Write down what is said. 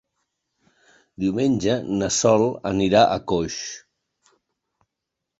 Diumenge na Sol anirà a Coix.